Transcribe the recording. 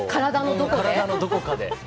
体のどこかで。